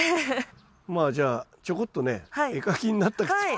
まあじゃあちょこっとね絵描きになったつもりで。